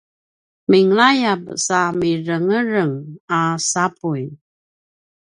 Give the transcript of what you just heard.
minlayap sa mirengereng a sapuy